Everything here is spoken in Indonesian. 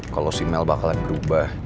kalo si mel bakalan berubah